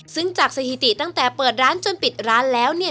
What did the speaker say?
ซึ่งจากสถิติตั้งแต่เปิดร้านจนปิดร้านแล้วเนี่ย